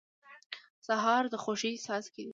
سهار د خوښۍ څاڅکي دي.